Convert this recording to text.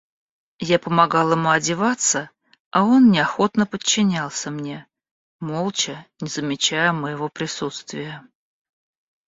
Я помогал ему одеваться, а он неохотно подчинялся мне, молча, не замечая моего присутствия.